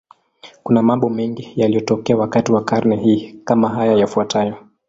Kuna mambo mengi yaliyotokea wakati wa karne hii, kama haya yafuatayo.